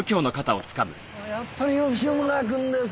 やっぱり吉村くんですね。